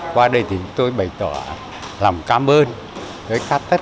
qua đây thì tôi bày tỏ lòng cảm ơn với tất cả các đồng chí trong đoàn